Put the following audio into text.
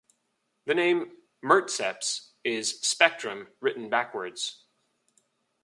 The name 'murtceps' is 'spectrum' written backwards.